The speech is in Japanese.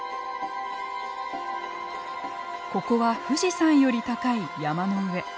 ここは富士山より高い山の上。